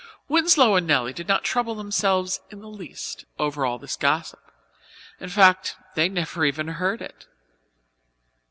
Winslow and Nelly did not trouble themselves in the least over all this gossip; in fact, they never even heard it.